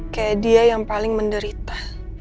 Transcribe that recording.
kayak dia yang paling menderita